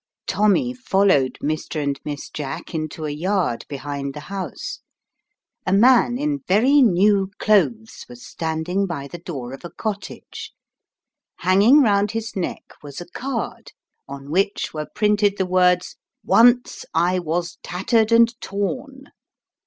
JOMMY followed Mr. and Miss Jack into a yard behind the house. A man in very new clothes was standing by the door of a cottage ; hanging round his neck was a card, on which were printed the words, " Once I was tattered and torn